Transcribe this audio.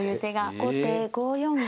後手５四銀。